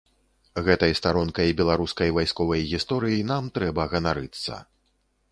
Гэтай старонкай беларускай вайсковай гісторыі нам трэба ганарыцца.